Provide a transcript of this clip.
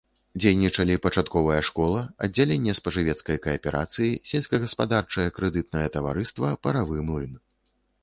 Дзейнічалі пачатковая школа, аддзяленне спажывецкай кааперацыі, сельскагаспадарчае крэдытнае таварыства, паравы млын.